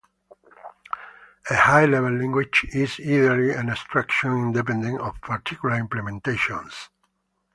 A high level language is ideally an abstraction independent of particular implementations.